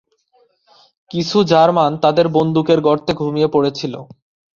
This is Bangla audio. কিছু জার্মান তাদের বন্দুকের গর্তে ঘুমিয়ে পড়েছিল।